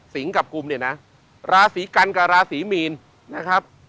กับกุมเนี่ยนะราศีกันกับราศีมีนนะครับ